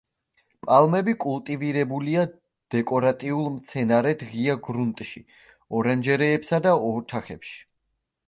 პალმები კულტივირებულია დეკორატიულ მცენარედ ღია გრუნტში, ორანჟერეებსა და ოთახებში.